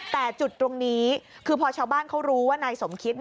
แต่จุดตรงนี้คือพอชาวบ้านเขารู้ว่านายสมคิด